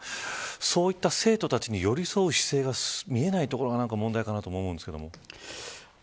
そういった生徒たちに寄り添う姿勢が見えないところが問題かなと思うんですけど。